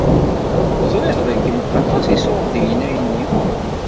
Ẓṛiɣ dakken aṭas iṣurdiyen ayenni.